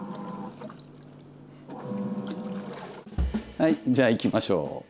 はいじゃあいきましょう。